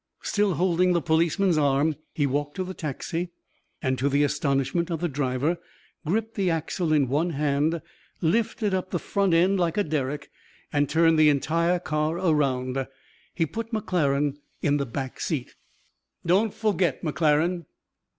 Still holding the policeman's arm, he walked to the taxi and, to the astonishment of the driver, gripped the axle in one hand, lifted up the front end like a derrick, and turned the entire car around. He put McClaren in the back seat. "Don't forget, McClaren."